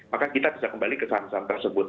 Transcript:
maka kita bisa kembali ke saham saham tersebut